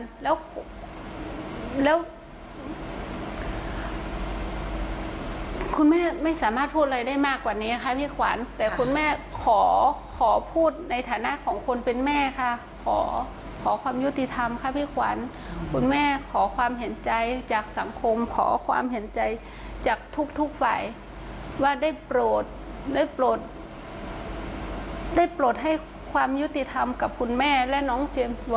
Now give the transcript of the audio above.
แล้วแล้วคุณแม่ไม่สามารถพูดอะไรได้มากกว่านี้ค่ะพี่ขวัญแต่คุณแม่ขอขอพูดในฐานะของคนเป็นแม่ค่ะขอขอความยุติธรรมค่ะพี่ขวัญคุณแม่ขอความเห็นใจจากสังคมขอความเห็นใจจากทุกฝ่ายว่าได้โปรดได้โปรดได้ปลดให้ความยุติธรรมกับคุณแม่และน้องเจมส์